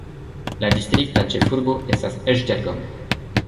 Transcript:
La distrikta ĉefurbo estas Esztergom.